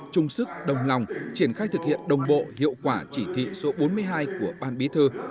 chung sức đồng lòng triển khai thực hiện đồng bộ hiệu quả chỉ thị số bốn mươi hai của ban bí thư